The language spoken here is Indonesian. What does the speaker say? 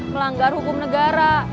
melanggar hukum negara